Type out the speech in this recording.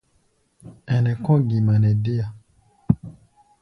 Ɛnɛ kɔ̧́ gima nɛ déa.